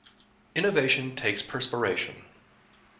Innovation takes perspiration.